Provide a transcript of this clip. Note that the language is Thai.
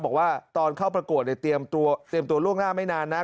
บอกว่าตอนเข้าประกวดเนี่ยเตรียมตัวล่วงหน้าไม่นานนะ